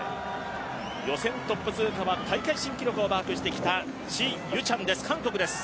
予選トップ通過は大会新記録をマークしてきたチ・ユチャンです、韓国です。